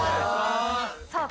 さあ